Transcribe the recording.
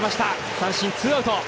三振、ツーアウト。